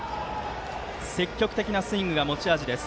積極的なスイングが持ち味です。